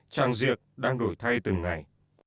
tràng diệt đang đổi thay từng ngày